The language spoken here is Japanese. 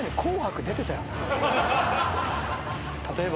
例えば。